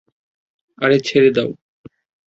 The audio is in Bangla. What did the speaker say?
আরে ছেঁড়ে দাও।